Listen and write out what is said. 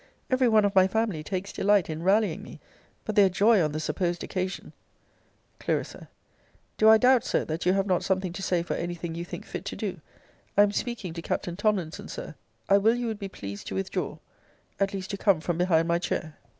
Every one of my family takes delight in rallying me. But their joy on the supposed occasion Cl. Do I doubt, Sir, that you have not something to say for any thing you think fit to do? I am speaking to Captain Tomlinson, Sir. I will you would be pleased to withdraw at least to come from behind my chair.